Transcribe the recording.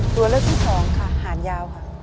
ตัวเลือกที่สองค่ะหานยาวค่ะ